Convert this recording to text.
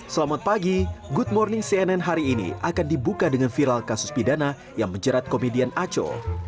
selamat pagi good morning cnn hari ini akan dibuka dengan viral kasus pidana yang menjerat komedian aco